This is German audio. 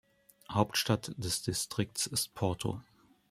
Hauptstadt des Distrikts ist Porto.